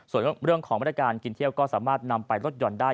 ส่วนเรื่องของบริการกินเที่ยวก็สามารถนำไปลดหย่อนได้